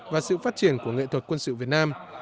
và sự phát triển của nghệ thuật quân sự việt nam